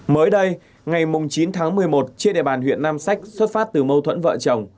mới đây ngày chín tháng một mươi một trên địa bàn huyện nam sách xuất phát từ mâu thuẫn vợ chồng